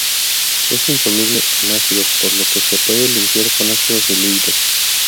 Es insoluble en ácidos, por lo que se puede limpiar con ácidos diluidos.